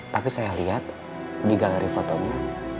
tapi saya lihat di galeri fotonya